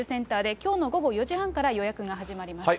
きょうの午後４時半から予約が始まります。